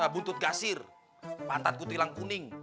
buntut kasir pantatku tilang kuning